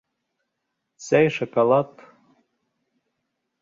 — Сәй, шоколад...